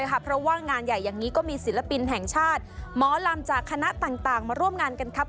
เพราะว่างานใหญ่อย่างนี้ก็มีศิลปินแห่งชาติหมอลำจากคณะต่างมาร่วมงานกันครับ